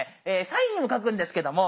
サインにも書くんですけども